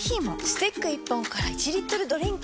スティック１本から１リットルドリンクに！